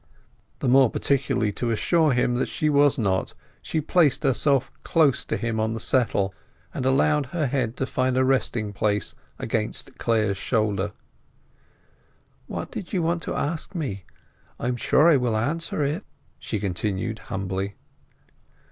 The more particularly to assure him that she was not, she placed herself close to him in the settle, and allowed her head to find a resting place against Clare's shoulder. "What did you want to ask me—I am sure I will answer it," she continued humbly.